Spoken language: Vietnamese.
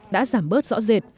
đã giảm bớt rõ rệt